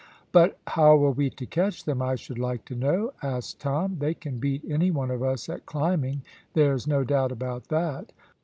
"But how were we to catch them, I should like to know?" asked Tom. "They can beat any one of us at climbing, there's no doubt about that."